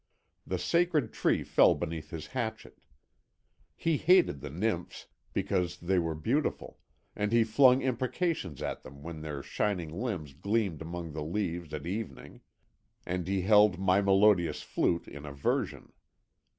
The sacred tree fell beneath his hatchet. He hated the Nymphs, because they were beautiful, and he flung imprecations at them when their shining limbs gleamed among the leaves at evening, and he held my melodious flute in aversion.